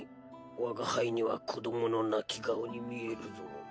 我が輩には子どもの泣き顔に見えるぞ。